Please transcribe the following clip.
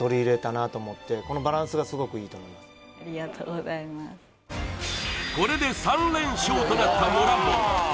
だからこれで３連勝となったモランボン